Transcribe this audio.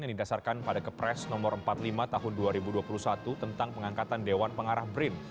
yang didasarkan pada kepres no empat puluh lima tahun dua ribu dua puluh satu tentang pengangkatan dewan pengarah brin